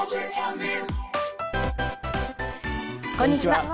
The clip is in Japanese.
こんにちは。